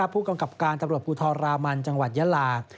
ผู้กำกับการตำรวจภูทรรามันจังหวัดยาลา